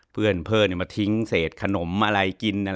เพื่อนมาทิ้งเศษขนมอะไรกิน